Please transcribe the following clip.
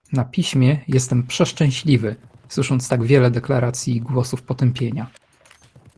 na piśmie - Jestem "przeszczęśliwy" słysząc tak wiele deklaracji i głosów potępienia!